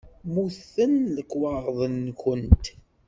Mmuten lekwaɣeḍ-nkent?